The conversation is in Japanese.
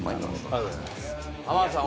ありがとうございます田さん